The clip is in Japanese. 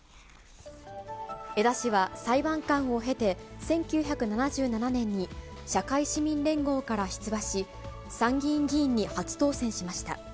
江田氏は、裁判官を経て、１９７７年に社会市民連合から出馬し、参議院議員に初当選しました。